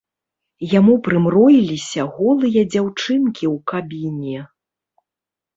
Яму прымроіліся голыя дзяўчынкі ў кабіне!